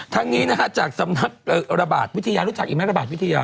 ทั้งนี้นะฮะจากสำนักระบาดวิทยารู้จักอีกไหมระบาดวิทยา